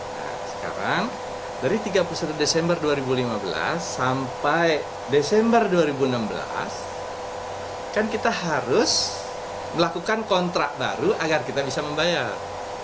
nah sekarang dari tiga puluh satu desember dua ribu lima belas sampai desember dua ribu enam belas kan kita harus melakukan kontrak baru agar kita bisa membayar